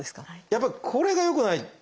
やっぱりこれがよくない。